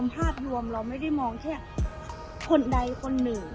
ภาพรวมเราไม่ได้มองแค่คนใดคนหนึ่ง